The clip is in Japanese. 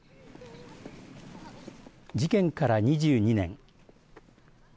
事件から２２年。